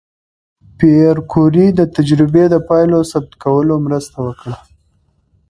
پېیر کوري د تجربې د پایلو ثبت کولو مرسته وکړه.